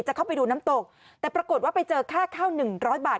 จะเข้าไปดูน้ำตกแต่ปรากฏว่าไปเจอค่าเท่า๑๐๐บาท